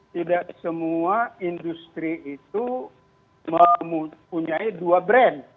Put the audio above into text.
tidak semua industri itu mempunyai dua brand